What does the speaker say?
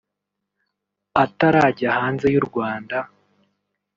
Atarajya hanze y’u Rwanda